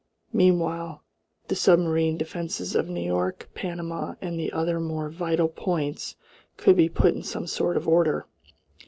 Meanwhile the submarine defences of New York, Panama, and the other more vital points could be put in some sort of order.